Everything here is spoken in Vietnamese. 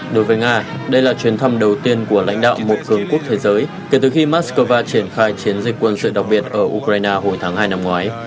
đối với nga đây là chuyến thăm đầu tiên của lãnh đạo một cường quốc thế giới kể từ khi moscow triển khai chiến dịch quân sự đặc biệt ở ukraine hồi tháng hai năm ngoái